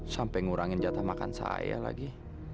sampai ngurangin jatah makan saya lagi